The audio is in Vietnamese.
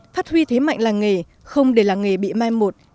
phát huy thế mạnh làng nghề không để làng nghề bị mai một